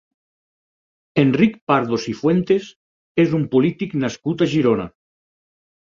Enric Pardo Cifuentes és un polític nascut a Girona.